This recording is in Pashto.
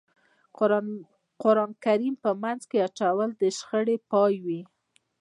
قرآن کریم په منځ کې اچول د شخړې پای وي.